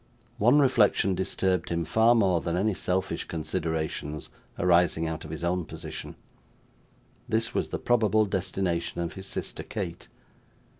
One reflection disturbed him far more than any selfish considerations arising out of his own position. This was the probable destination of his sister Kate.